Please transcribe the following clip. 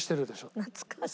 懐かしい。